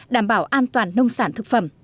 đảm bảo an toàn nông sản thực phẩm